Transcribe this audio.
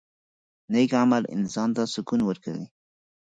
• نیک عمل انسان ته سکون ورکوي.